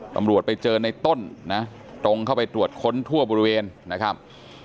ตำรวจไปเจอในต้นนะตรงเข้าไปตรวจค้นทั่วบริเวณนะครับ